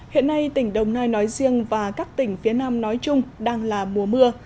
hiện nay tỉnh đồng nai nói riêng và các tỉnh phía nam nói chung đang là mùa mưa